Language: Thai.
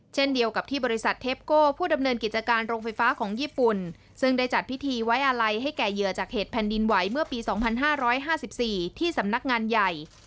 เช่นเดียวกับที่บริษัทเทปโก้ผู้ดำเนินกิจการโรงไฟฟ้าของญี่ปุ่นซึ่งได้จัดพิธีไว้อาลัยให้แก่เหยื่อจากเหตุแผ่นดินไหวเมื่อปี๒๕๕๔ที่สำนักงานใหญ่